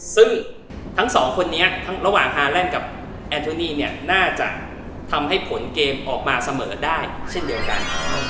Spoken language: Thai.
ซึ่งทั้งสองคนนี้ระหว่างฮาแลนด์กับแอนโทนี่เนี่ยน่าจะทำให้ผลเกมออกมาเสมอได้เช่นเดียวกัน